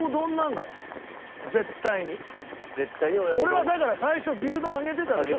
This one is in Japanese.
俺はだから最初牛丼上げてたでしょ？